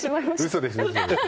嘘ですよ。